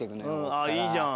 ああいいじゃん。